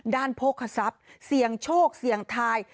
ด้านโภคสัพเสียงโชคเสียงทาย